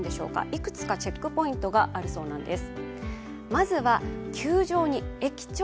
いくつかチェックポイントがあるそうなんです。